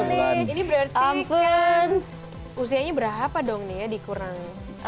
ini berarti kan usianya berapa dong nih ya dikurang